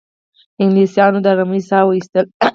انګلیسیانو د آرامۍ ساه وایستله.